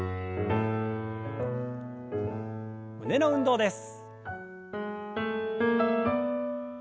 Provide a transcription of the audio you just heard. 胸の運動です。